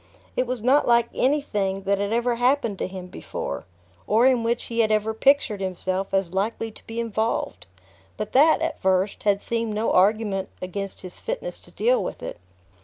It was not like anything that had ever happened to him before, or in which he had ever pictured himself as likely to be involved; but that, at first, had seemed no argument against his fitness to deal with it.